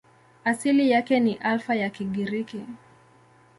Asili yake ni Alfa ya Kigiriki.